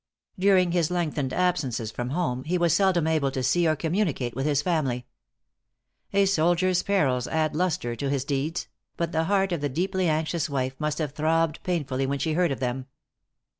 During his lengthened absences from home, he was seldom able to see or communicate with his family. A soldier's perils add lustre to his deeds; but the heart of the deeply anxious wife must have throbbed painfully when she heard of them.